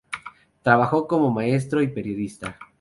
Trabajó como maestro y periodista.